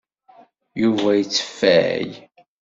Yuba yetteffay.